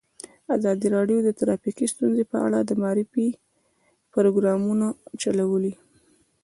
ازادي راډیو د ټرافیکي ستونزې په اړه د معارفې پروګرامونه چلولي.